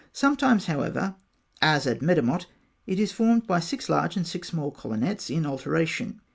Sometimes, however, as at Medamot, it is formed of six large and six small colonnettes in alternation.